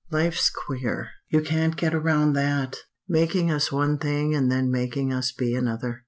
"Life's queer you can't get around that. Making us one thing and then making us be another.